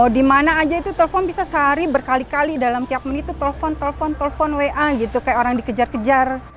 di mana saja itu telpon bisa sehari berkali kali dalam tiap menit itu telpon telpon wa gitu kayak orang dikejar kejar